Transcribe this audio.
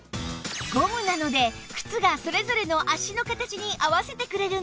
ゴムなので靴がそれぞれの足の形に合わせてくれるんです